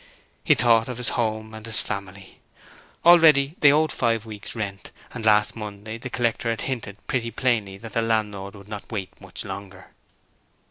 He thought of his home and his family. Already they owed five weeks' rent, and last Monday the collector had hinted pretty plainly that the landlord would not wait much longer.